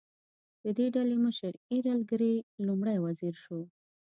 د دې ډلې مشر ایرل ګرې لومړی وزیر شو.